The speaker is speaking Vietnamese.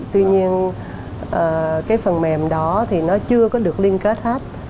tuy nhiên cái phần mềm đó thì nó chưa có được liên kết hết